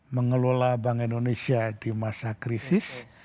mengelola bank indonesia di masa krisis